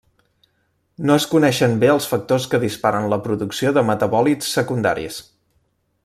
No es coneixen bé els factors que disparen la producció de metabòlits secundaris.